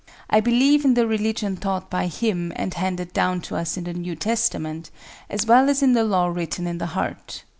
I believe in the religion taught by Him and handed down to us in the New Testament, as well as in the law written in the heart.